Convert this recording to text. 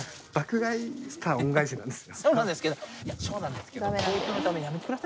そうなんですけど。